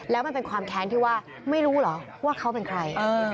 แล้วมันเป็นความแค้นที่ว่าไม่รู้เหรอว่าเขาเป็นใคร